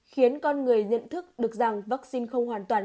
khiến con người nhận thức được rằng vaccine không hoàn toàn